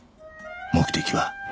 目的は？